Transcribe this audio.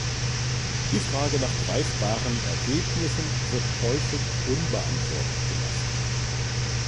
Die Frage nach greifbaren Ergebnissen wird häufig unbeantwortet gelassen.